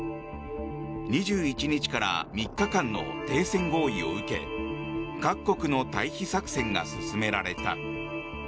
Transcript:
２１日から３日間の停戦合意を受け各国の退避作戦が進められた。